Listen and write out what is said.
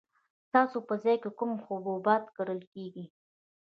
ستاسو په ځای کې کوم حبوبات کرل کیږي؟